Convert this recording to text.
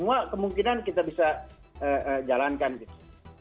semua kemungkinan kita bisa jalankan gitu